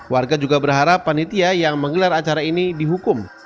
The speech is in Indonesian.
warga juga berharap panitia yang menggelar acara ini dihukum